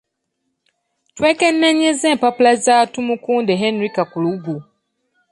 Twekenneenyezza empapula za Tumukunde Henry Kakulugu.